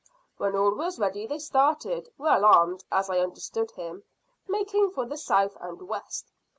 "When all was ready they started, well armed, as I understood him, making for the south and west.